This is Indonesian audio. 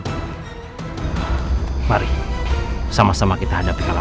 jangan sampai dia tercampur